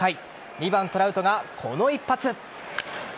２番・トラウトがこの一発。